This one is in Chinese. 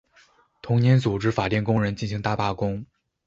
同年组织法电工人进行大罢工。